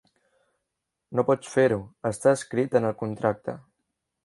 No pots fer-ho, està escrit en el contracte.